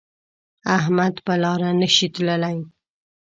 احمد په لاره نشي تللی